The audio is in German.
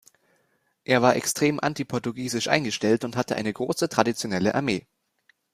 Er war extrem anti-portugiesisch eingestellt und hatte eine große traditionelle Armee.